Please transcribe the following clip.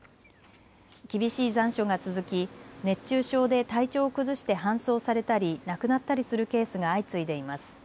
厳しい残暑が続き、熱中症で体調を崩して搬送されたり亡くなったりするケースが相次いでいます。